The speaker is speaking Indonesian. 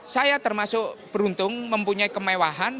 saya termasuk beruntung mempunyai kemewahan